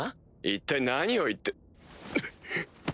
一体何を言って。